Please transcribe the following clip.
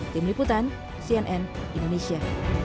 tim liputan cnn indonesia